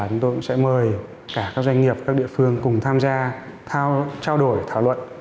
chúng tôi cũng sẽ mời cả các doanh nghiệp các địa phương cùng tham gia trao đổi thảo luận